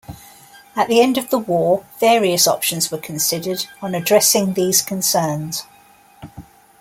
At the end of the war, various options were considered on addressing these concerns.